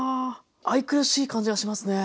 愛くるしい感じがしますね。